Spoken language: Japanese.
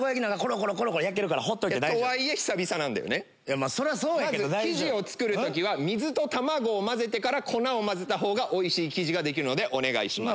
まず生地を作る時は水と卵を混ぜてから粉を混ぜたほうがおいしい生地ができるのでお願いします。